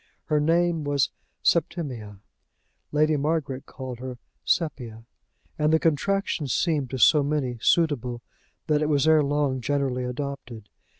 Her name was Septimia; Lady Margaret called her Sepia, and the contraction seemed to so many suitable that it was ere long generally adopted.